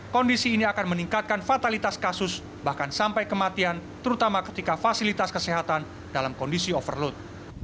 kondisi ini akan meningkatkan fatalitas kasus bahkan sampai kematian terutama ketika fasilitas kesehatan dalam kondisi overload